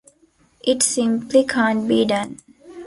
It simply can't be done.